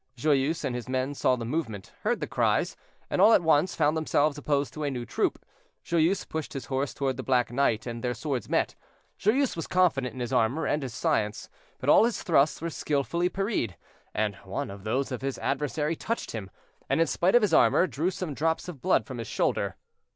Joyeuse and his men saw the movement, heard the cries, and all at once found themselves opposed to a new troop. Joyeuse pushed his horse toward the black knight, and their swords met. Joyeuse was confident in his armor and his science, but all his thrusts were skillfully parried, and one of those of his adversary touched him, and in spite of his armor, drew some drops of blood from his shoulder.